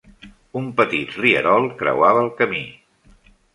Un petit rierol creuava el camí.